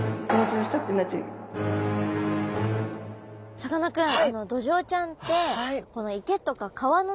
さかなクン。